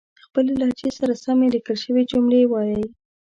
خپلې لهجې سره سمې ليکل شوې جملې وايئ